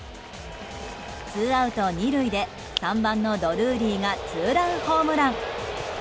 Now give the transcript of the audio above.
ツーアウト２塁で３番のドルーリーがツーランホームラン。